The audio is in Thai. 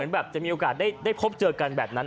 แบบจะมีโอกาสได้พบเจอกันแบบนั้น